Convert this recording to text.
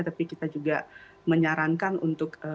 tapi kita juga menyarankan untuk